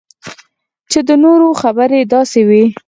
چې د نورو خبرې داسې وي